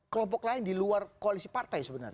kelompok lain diluar koalisi partai sebenarnya